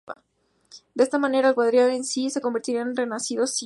De esta manera, el guardián en sí, se convertirá en el renacido Sinh.